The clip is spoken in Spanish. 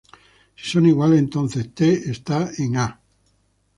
Si son iguales, entonces "t" esta en "A".